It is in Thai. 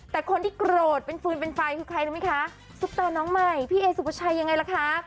แต่คนที่โกรธเป็นฟืนเป็นไฟคือใครรู้ไหมคะซุปตาน้องใหม่พี่เอสุภาชัยยังไงล่ะคะ